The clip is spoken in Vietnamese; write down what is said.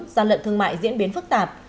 gian lận thương mại diễn biến phức tạp